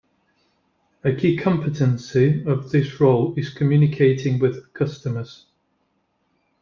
A key competency of this role is communicating with customers.